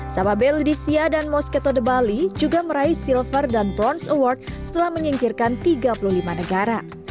sababe ledisia dan moschetto de bali juga meraih silver dan bronze award setelah menyingkirkan tiga puluh lima negara